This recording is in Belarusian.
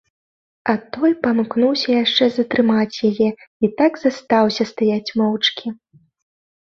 А той памкнуўся яшчэ затрымаць яе і так застаўся стаяць моўчкі.